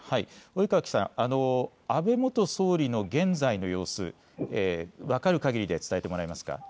及川記者、安倍元総理大臣の現在の様子、分かるかぎりで伝えてもらえますか。